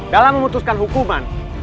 dalam memutuskan hukuman